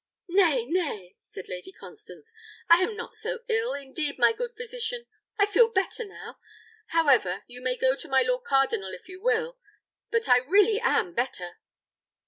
"Nay, nay!" said Lady Constance; "I am not so ill, indeed, my good physician; I feel better now. However, you may go to my lord cardinal if you will; but I really am better."